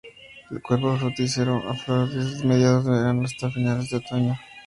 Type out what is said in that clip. El cuerpo fructífero aflora desde mediados de verano hasta finales de otoño.